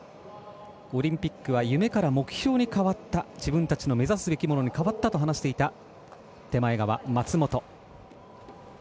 オリンピックは夢から目標に変わった自分たちの目指すべきものに変わったと話していた松本。